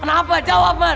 kenapa jawab man